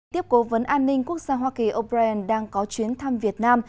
tiếp cố vấn an ninh quốc gia hoa kỳ o bran đang có chuyến thăm việt nam